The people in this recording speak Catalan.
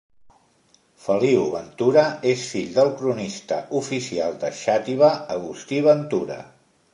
Feliu Ventura és fill del cronista oficial de Xàtiva Agustí Ventura.